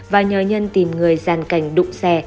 và nhờ nhân tìm người dàn cảnh đụng xe